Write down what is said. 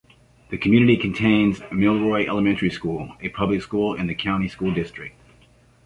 The community contains Milroy Elementary School, a public school in the county school district.